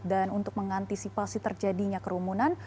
dan untuk mengantisipasi terjadinya kerumunan